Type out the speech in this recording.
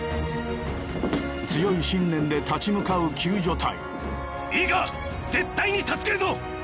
強い信念で立ち向かう救助隊